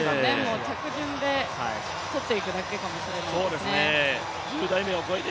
着順で取っていくだけかもしれないですね。